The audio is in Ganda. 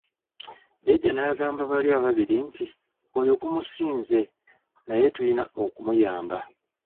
Jjaja n'agamba bali ababiri nti, oyo gumusinze, naye tuyina okumuyamba.